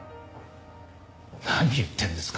何言ってんですか。